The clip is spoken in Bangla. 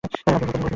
আপনি ভুল করছেন!